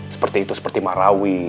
seperti itu seperti marawi